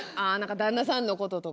旦那さんのこととか？